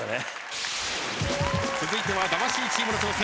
続いては魂チームの挑戦